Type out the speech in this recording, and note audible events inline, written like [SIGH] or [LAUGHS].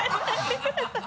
ハハハ [LAUGHS]